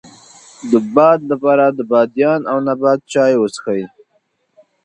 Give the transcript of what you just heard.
د باد لپاره د بادیان او نبات چای وڅښئ